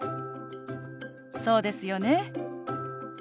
そうですよね。